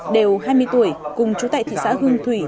đều hai mươi tuổi cùng chú tại thị xã hương thủy